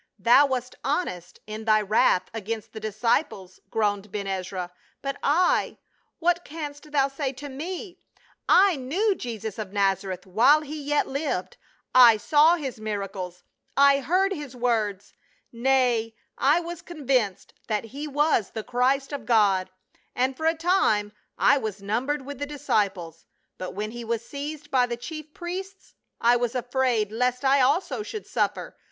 " Thou wast honest in thy wrath against the disci ples," groaned Ben Ezra, "but I — what canst thou say to me ? I knew Jesus of Nazareth while he yet lived, I saw his miracles, I heard his words. Nay, I was convinced that he was the Christ of God, and for a time I was numbered with the disciples, but when he was seized by the chief priests I was afraid lest I also should suffer.